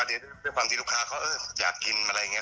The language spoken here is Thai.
เดี๋ยวด้วยความที่ลูกค้าเขาอยากกินอะไรอย่างนี้